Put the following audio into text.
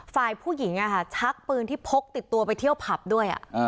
ฝ่ายผู้หญิงชักปืนที่พกติดตัวไปเที่ยวผับด้วย